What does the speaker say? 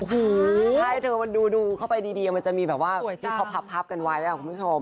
ถ้าให้เธอมันดูเข้าไปดีมันจะมีแบบว่าที่เขาพับกันไว้คุณผู้ชม